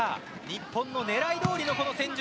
日本の狙いどおりの戦術。